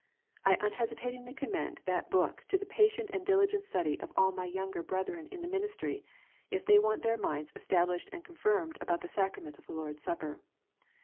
I unhesitatingly commend that book to the patient and diligent study of all my younger brethren in the ministry, if they want their minds established and confirmed about the sacrament of the Lord s Supper.